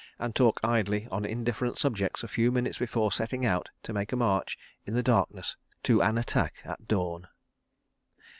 and talk idly on indifferent subjects, a few minutes before setting out to make a march in the darkness to an attack at dawn.